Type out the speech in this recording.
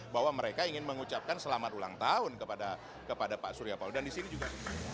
bahwa mereka ingin mengucapkan selamat ulang tahun kepada pak surya palo dan disini juga